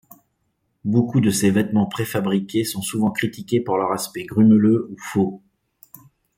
Beaucoup de ces vêtements pré-fabriqués sont souvent critiqués pour leur aspect grumeleux ou faux.